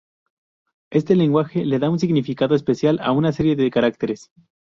Este lenguaje le da un significado especial a una serie de caracteres.